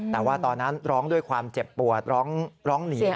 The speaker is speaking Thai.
แต่ว่าตอนนั้นร้องด้วยความเจ็บปวดร้องหนี